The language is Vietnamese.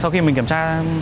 sau khi mình kiểm tra